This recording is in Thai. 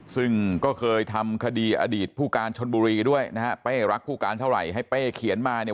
ซึ่งก็เคยทำคดีอดีตผู้การชนบุรีด้วยนะฮะเป้รักผู้การเท่าไหร่ให้เป้เขียนมาเนี่ย